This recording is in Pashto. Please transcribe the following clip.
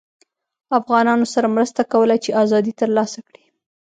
افغانانوسره مرسته کوله چې ازادي ترلاسه کړي